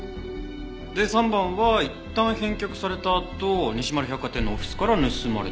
で３番はいったん返却されたあと西丸百貨店のオフィスから盗まれたんだよね。